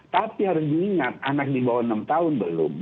tapi harus diingat anak di bawah enam tahun belum